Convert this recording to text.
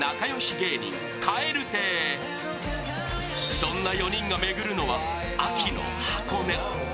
そんな４人が巡るのは秋の箱根。